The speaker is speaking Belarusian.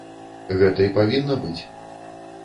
Гэта і павінна быць.